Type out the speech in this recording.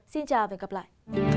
xin chào và hẹn gặp lại